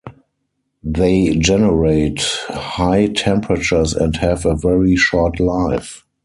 They generate high temperatures and have a very short life.